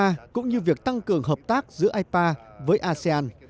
vai trò của ipa cũng như việc tăng cường hợp tác giữa ipa với asean